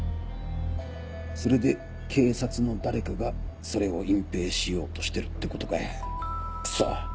それで警察の誰かがそれを隠ぺいしようとしてるってことかよクソ。